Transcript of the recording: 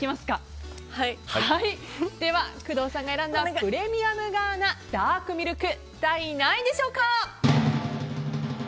では工藤さんが選んだプレミアムガーナダークミルク第何位でしょうか。